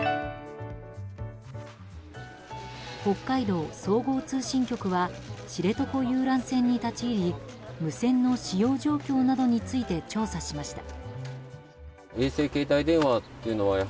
北海道総合通信局は知床遊覧船に立ち入り無線の使用状況などについて調査しました。